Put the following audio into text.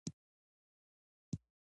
کابل د افغانستان د صادراتو برخه ده.